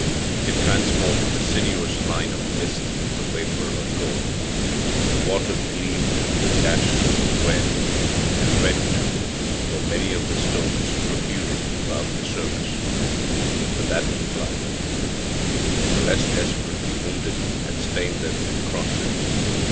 It transformed the sinuous line of mist to the vapor of gold. The water gleamed with dashes of red, and red, too, were many of the stones protruding above the surface. But that was blood; the less desperately wounded had stained them in crossing.